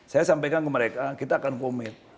saya sampaikan ke mereka kita akan komit